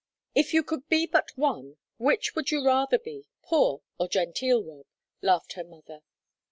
"If you could be but one, which would you rather be, poor or genteel, Rob?" laughed her mother.